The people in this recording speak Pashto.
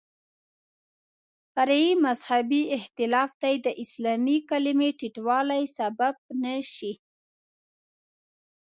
فرعي مذهبي اختلاف دې د اسلامي کلمې ټیټوالي سبب نه شي.